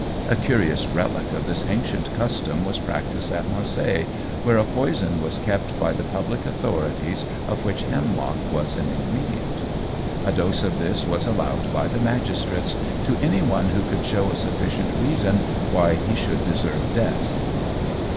A curious relic of this ancient custom was practised at Marseilles, where a poison was kept by the public authorities of which hemlock was an ingredient. A dose of this was allowed by the magistrates "to any one who could show a sufficient reason why he should deserve death."